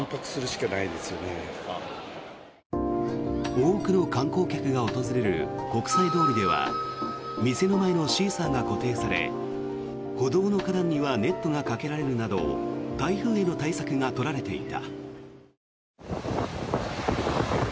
多くの観光客が訪れる国際通りでは店の前のシーサーが固定され歩道の花壇にはネットがかけられるなど台風への対策が取られていた。